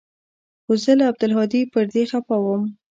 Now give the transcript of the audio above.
خو زه له عبدالهادي پر دې خپه وم.